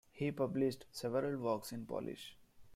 He published several works in Polish.